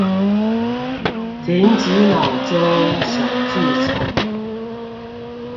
停止腦中小劇場